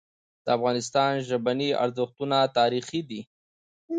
د افغانستان ژبني ارزښتونه تاریخي دي.